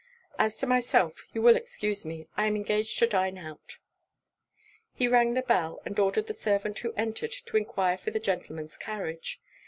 As to myself, you will excuse me; I am engaged to dine out.' He rang the bell, and ordered the servant who entered to enquire for the gentleman's carriage.